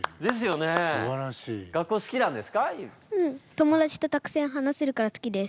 友達とたくさん話せるから好きです。